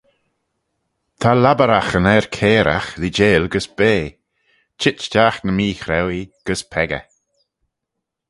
Ta laboragh yn er-cairagh leeideil gys bea: cheet-stiagh ny mee-chrauee gys peccah.